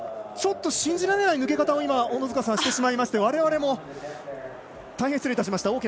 ちょっと信じられない抜け方をしてしまいましてわれわれも大変失礼しました。